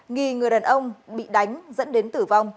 nghi người đàn ông bị đánh dẫn đến tử vong